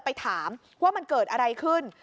ไปถามว่ามันเกิดอะไรขึ้น